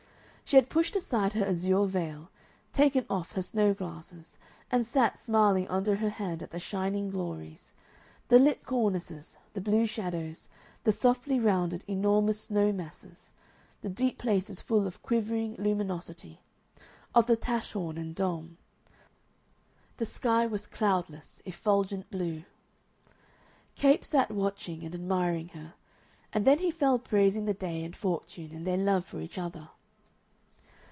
She had pushed aside her azure veil, taken off her snow glasses, and sat smiling under her hand at the shining glories the lit cornices, the blue shadows, the softly rounded, enormous snow masses, the deep places full of quivering luminosity of the Taschhorn and Dom. The sky was cloudless, effulgent blue. Capes sat watching and admiring her, and then he fell praising the day and fortune and their love for each other.